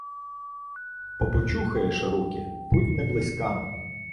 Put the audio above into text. — Попочухаєш руки, путь не близька.